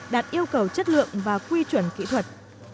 đạt yêu cầu chất lượng và quy chuẩn kỹ thuật